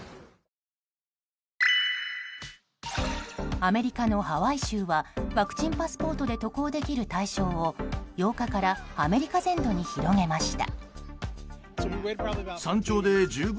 アメリカのハワイ州はワクチンパスポートで渡航できる対象を８日からアメリカ全土に広げました。